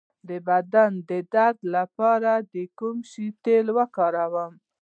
د بدن درد لپاره د کوم شي تېل وکاروم؟